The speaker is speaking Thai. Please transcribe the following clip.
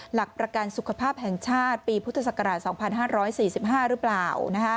หลักประกันสุขภาพแห่งชาติปีพุทธศักราช๒๕๔๕หรือเปล่า